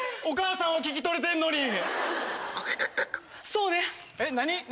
お母さんは聞き取れてんのに。